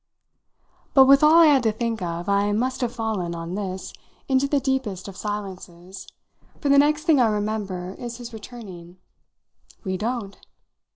But with all I had to think of I must have fallen, on this, into the deepest of silences, for the next thing I remember is his returning: "We don't!"